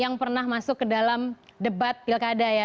yang pernah masuk ke dalam debat pilkada ya